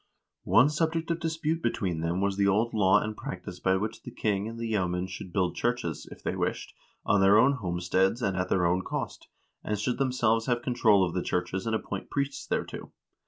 " One subject of dispute between them was the old law and practice by which the king and the yeomen should build churches, if they wished, on their own homesteads and at their own cost, and should themselves have control of the churches and appoint priests thereto.